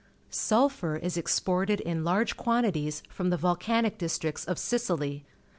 Sulphur is exported in large quantities from the volcanic districts of Sicily.